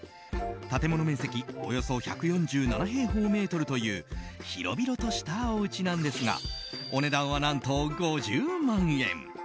建物面積およそ１４７平方メートルという広々としたおうちなんですがお値段は何と、５０万円！